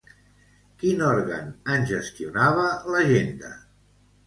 Quin òrgan en gestionava l'agenda?